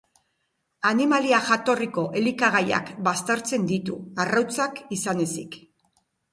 Animalia jatorriko elikagaiak baztertzen ditu, arrautzak izan ezik.